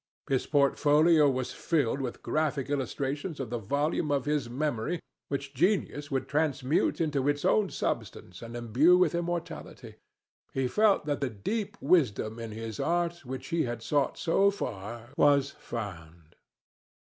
His portfolio was filled with graphic illustrations of the volume of his memory which genius would transmute into its own substance and imbue with immortality. He felt that the deep wisdom in his art which he had sought so far was found.